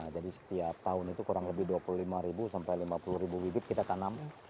jadi setiap tahun itu kurang lebih dua puluh lima sampai lima puluh bibit kita tanam